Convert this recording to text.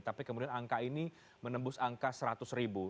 tapi kemudian angka ini menembus angka seratus ribu